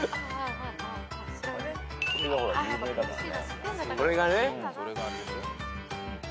これがほら有名だからね。